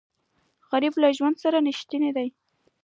غریب له ژوند سره رښتینی دی